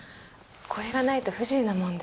これがないと不自由なもんで。